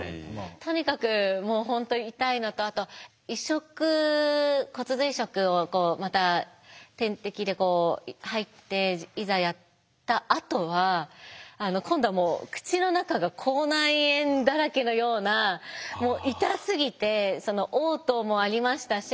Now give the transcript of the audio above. とにかくもう本当に痛いのとあと移植骨髄移植をまた点滴でこう入っていざやったあとは今度はもう口の中が口内炎だらけのような痛すぎておう吐もありましたし